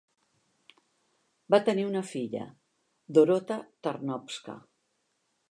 Va tenir una filla, Dorota Tarnowska.